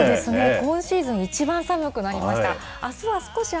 今シーズン一番寒くなりました。